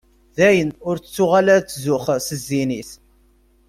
Dayen, ur tuɣal ad tzuxx s zzin-is.